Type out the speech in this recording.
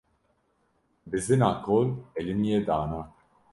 Bizina kol elimiye dana